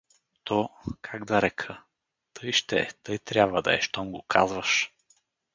То… как да река, тъй ще е, тъй трябва да е, щом го казваш.